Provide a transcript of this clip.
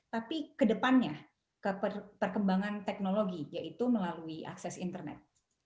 tapi kedepannya ke perkembangan teknologi yaitu melalui akses internet